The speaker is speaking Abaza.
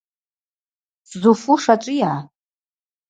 Сзуфуш ачӏвыйа?